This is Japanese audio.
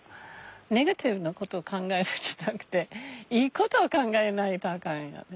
ネガティブなことを考えるんじゃなくていいことを考えないとあかんよね。